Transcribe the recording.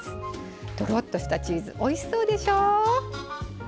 とろっとしたチーズおいしそうでしょ！